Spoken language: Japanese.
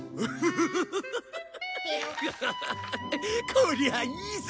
こりゃいいぜ！